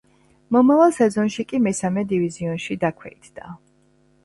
მომავალ სეზონში კი მესამე დივიზიონში დაქვეითდა.